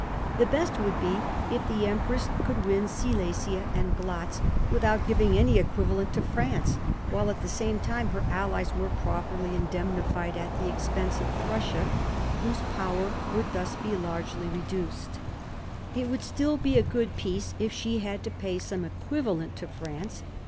The best would be if the empress could win Silesia and Glatz, without giving any equivalent to France, while at the same time her allies were properly indemnified at the expense of Prussia, whose power would thus be largely reduced. It would still be a good peace if she had to pay some equivalent to France.